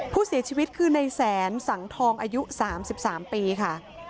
ผู้เสียชีวิตคือในแสนสังทองอายุ๓๓ปีค่ะ